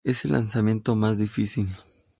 Es el lanzamiento más difícil.